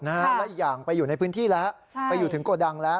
และอีกอย่างไปอยู่ในพื้นที่แล้วไปอยู่ถึงโกดังแล้ว